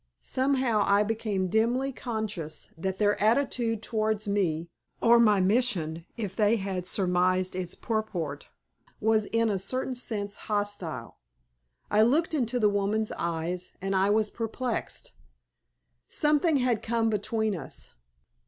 Somehow I became dimly conscious that their attitude towards me, or my mission, if they had surmised its purport, was in a certain sense hostile. I looked into the woman's eyes, and I was perplexed. Something had come between us.